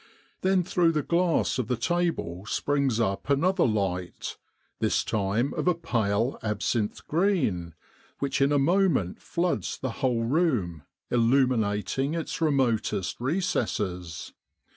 Then through the glass of the table springs up another light, this time of a pale absinthe green, which in a moment floods the whole room, illuminating its remotest recesses.